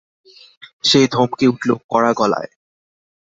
সে ধমকে উঠল কড়া গলায়।